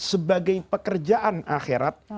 sebagai pekerjaan akhirat